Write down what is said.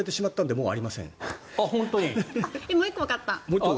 もう１個わかった。